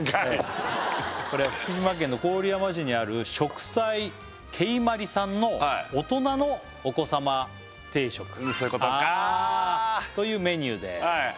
これは福島県の郡山市にある食彩けいまりさんの大人のお子様定食そういうことかあというメニューです